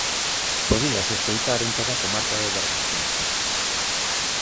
Podíase escoitar en toda a comarca de Bergantiños.